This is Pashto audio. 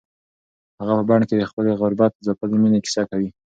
هغه په بن کې د خپلې غربت ځپلې مېنې کیسه کوي.